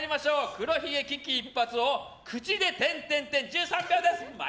黒ひげ危機一髪を口で１３秒です。